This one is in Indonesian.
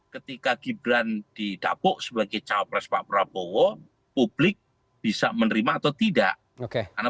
ketika gibran didapuk sebagai cawapres pak prabowo publik bisa menerima atau tidak karena